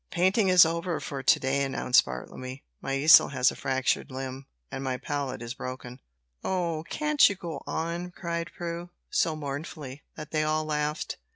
"Painting is over for to day," announced Bartlemy. "My easel has a fractured limb, and my palette is broken." "Oh, can't you go on?" cried Prue, so mournfully that they all laughed.